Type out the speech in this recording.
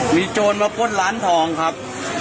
มีโจรมาปล้นร้านทองครับ